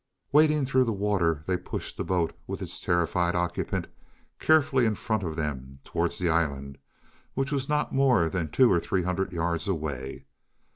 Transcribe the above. Wading through the water, they pushed the boat with its terrified occupant carefully in front of them towards the island, which was not more than two or three hundred yards away.